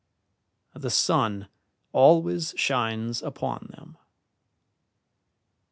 The sun always shines upon them.